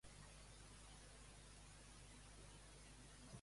Quina fruita li va donar el personatge a don Eduald?